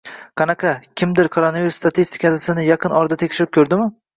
Anaqa, kimdir Koronavirus statistikasini yaqin orada tekshirib ko'rdimi?